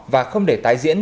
và không để tái diễn